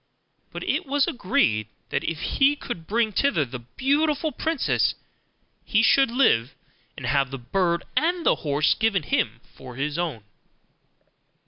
But it was agreed, that, if he could bring thither the beautiful princess, he should live, and have the bird and the horse given him for his own.